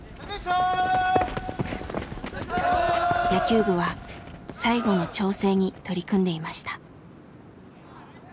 野球部は最後の調整に取り組んでいました。